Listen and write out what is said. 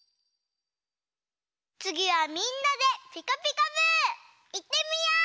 つぎはみんなで「ピカピカブ！」いってみよう！